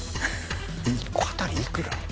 １個当たり幾ら？